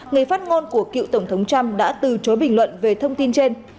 người phát ngôn của cựu tổng thống trump đã từ chối bình luận về thông tin trên